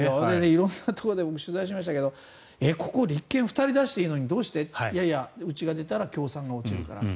色んなところで僕、取材しましたけどここ、立憲２人出していいのにどうして？うちが出たら共産が落ちるから。